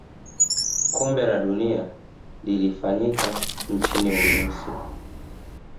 kombe la dunia lilifanyika nchini urusi